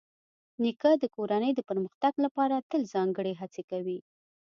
نیکه د کورنۍ د پرمختګ لپاره تل ځانګړې هڅې کوي.